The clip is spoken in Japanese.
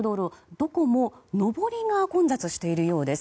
どこも上りが混雑しているようです。